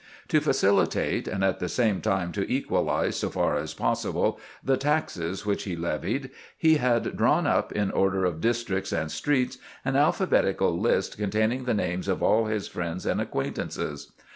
To facilitate, and at the same time to equalize so far as possible, the "taxes" which he levied, he "had drawn up, in order of districts and streets, an alphabetical list containing the names of all his friends and acquaintances.